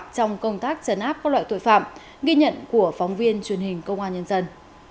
trong công tác chấn áp các loại tội phạm ghi nhận của phóng viên truyền hình công an nhân dân